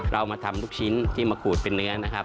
เรามาทำลูกชิ้นที่มาขูดเป็นเนื้อนะครับ